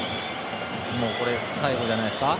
最後じゃないですか。